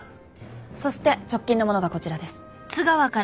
そして直近のものがこちらです。